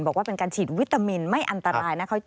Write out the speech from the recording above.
บอกว่าเป็นการฉีดวิตามินไม่อันตรายนะคะ